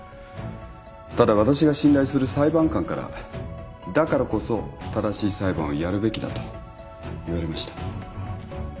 ただ私が信頼する裁判官からだからこそ正しい裁判をやるべきだと言われました。